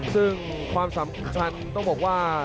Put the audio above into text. ซึ่งความสำคัญต้องบอกว่า